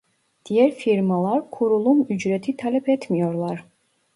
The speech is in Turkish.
Diğer firmalar kurulum ücreti talep etmiyorlar